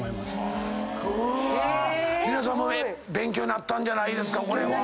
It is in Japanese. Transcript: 皆さんもええ勉強になったんじゃないですか。